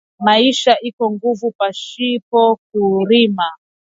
Maisha iko nguvu pashipo ku rima